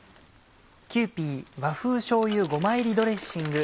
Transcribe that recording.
「キユーピー和風醤油ごま入ドレッシング」